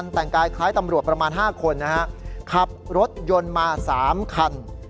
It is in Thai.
แต่งกายคล้ายตำรวจประมาณ๕คนนะฮะขับรถยนต์มา๓คัน